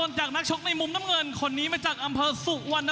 และนี่คือประวัติศาสตร์ที่สุด